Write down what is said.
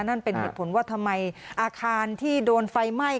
นั่นเป็นเหตุผลว่าทำไมอาคารที่โดนไฟไหม้